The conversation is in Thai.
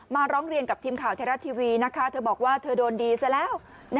ร้องเรียนกับทีมข่าวไทยรัฐทีวีนะคะเธอบอกว่าเธอโดนดีซะแล้ว